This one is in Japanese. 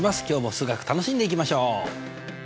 今日も数学楽しんでいきましょう！